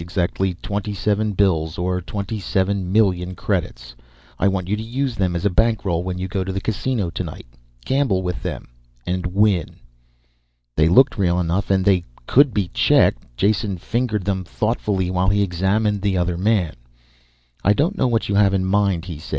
Exactly twenty seven bills or twenty seven million credits. I want you to use them as a bankroll when you go to the Casino tonight. Gamble with them and win." They looked real enough and they could be checked. Jason fingered them thoughtfully while he examined the other man. "I don't know what you have in mind," he said.